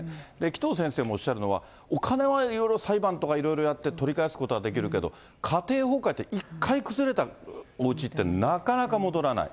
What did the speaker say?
紀藤先生もおっしゃるのは、お金はいろいろ裁判とかいろいろやって、取り返すことはできるけど、家庭崩壊って、一回崩れたおうちって、なかなか戻らない。